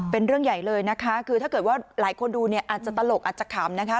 เป็นเรื่องใหญ่เลยนะคะคือถ้าเกิดว่าหลายคนดูเนี่ยอาจจะตลกอาจจะขำนะคะ